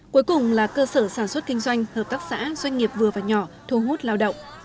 cuối cùng là cơ sở sản xuất kinh doanh hợp tác xã doanh nghiệp vừa và nhỏ thu hút lao động